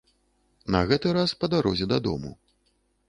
На гэты раз па дарозе дадому.